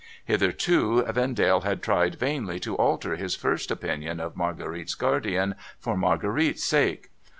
Hitherto Vendale had tried vainly to alter his first opinion of Marguerite's guardian, for Marguerite's sake.